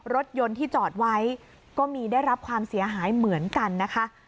รถยนต์ที่จอดไว้ก็มีได้รับความเสียหายเหมือนกันนะคะ